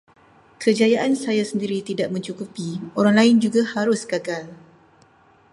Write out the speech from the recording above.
Kejayaan saya sendiri tidak mencukupi, orang lain juga harus gagal.